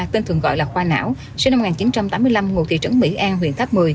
tên thường gọi là khoa não sinh năm một nghìn chín trăm tám mươi năm ngụ thị trấn mỹ an huyện tháp một mươi